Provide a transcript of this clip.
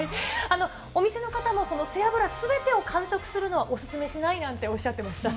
お店の方も背脂すべてを完食するのはお勧めしないなんておっしゃってました。